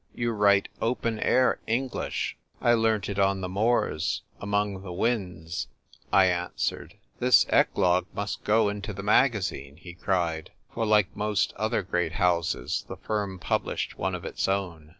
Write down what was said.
" You write open air English." " I learnt it on the moors, among the whins," I answered. " This eclogue must go into the magazine !" he cried ; for, like most other great houses, the firm published one of its own.